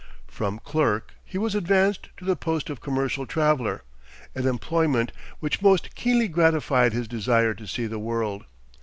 From clerk he was advanced to the post of commercial traveler, an employment which most keenly gratified his desire to see the world.